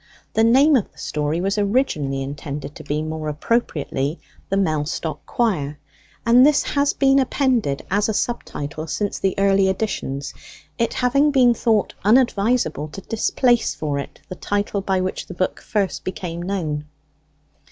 The name of the story was originally intended to be, more appropriately, The Mellstock Quire, and this has been appended as a sub title since the early editions, it having been thought unadvisable to displace for it the title by which the book first became known.